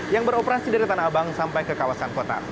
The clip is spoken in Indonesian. yang beroperasi dari tanah abang sampai ke kawasan kota